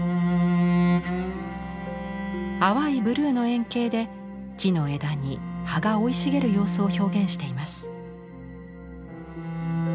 淡いブルーの円形で木の枝に葉が生い茂る様子を表現しています。